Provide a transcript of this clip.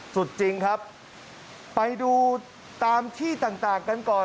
สุดจริงครับไปดูตามที่ต่างกันก่อน